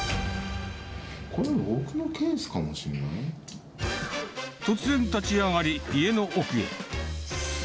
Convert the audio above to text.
これ、僕のケースかもしれな突然立ち上がり、家の奥へ。